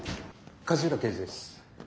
梶浦刑事です。